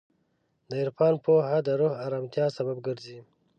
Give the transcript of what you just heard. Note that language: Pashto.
د عرفان پوهه د روح ارامتیا سبب ګرځي.